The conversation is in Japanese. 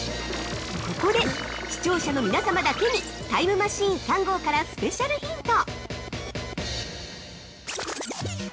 ◆ここで視聴者の皆様だけにタイムマシーン３号からスペシャルヒント！